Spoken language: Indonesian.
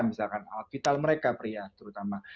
misalkan alat vital mereka pria terutama